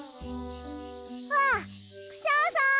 あクシャさん！